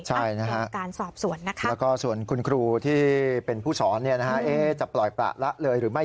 ใช่นะฮะการสอบสวนนะคะแล้วก็ส่วนคุณครูที่เป็นผู้สอนจะปล่อยประละเลยหรือไม่